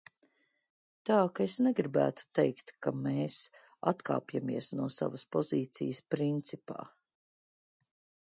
Tā ka es negribētu teikt, ka mēs atkāpjamies no savas pozīcijas principā.